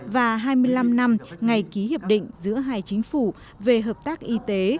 và hai mươi năm năm ngày ký hiệp định giữa hai chính phủ về hợp tác y tế